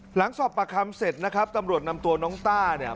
หลังสอบประคำเสร็จนะครับตำรวจนำตัวน้องต้าเนี่ย